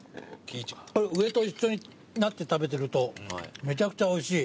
上と一緒になって食べてるとめちゃくちゃおいしい。